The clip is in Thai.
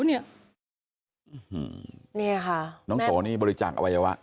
นี่ค่ะน้องโสนี่บริจาคอวัยวะ